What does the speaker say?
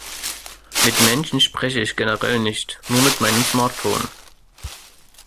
Mit Menschen spreche ich generell nicht, nur mit meinem Smartphone.